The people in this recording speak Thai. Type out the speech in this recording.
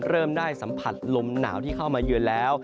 เริ่มได้สัมผัสลมหนาวที่เข้ามาเยือนแล้ว